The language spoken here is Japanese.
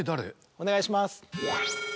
お願いします。